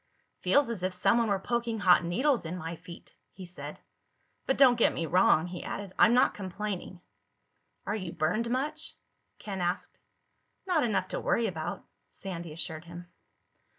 "Feels as if someone were poking hot needles in my feet," he said. "But don't get me wrong," he added. "I'm not complaining." "Are you burned much?" Ken asked. "Not enough to worry about," Sandy assured him.